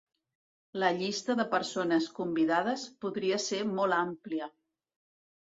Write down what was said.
La llista de persones convidades podria ser molt àmplia.